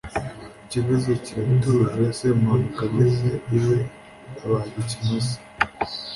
ikibazo kiratuje. semuhanuka arakomeza, ageze iwe abaga ikimasa